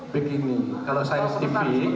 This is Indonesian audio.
begini kalau saintifik